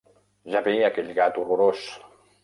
Ja ve aquell gat horrorós!